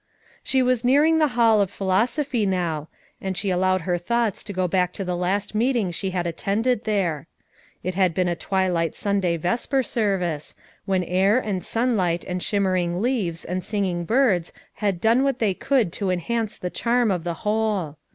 She was Bearing the Hall of Philosophy now, and she allowed her thoughts to go back to the last meeting she had attended there. It had been a twilight Sunday vesper service, when air and sunlight and shimmering leaves and singing birds had done what they could to en hance the charm of the whole.